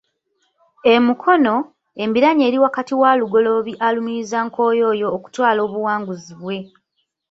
E Mukono, embiranye eri wakati wa Lugoloobi alumiriza Nkoyooyo okutwala obuwanguzi bwe.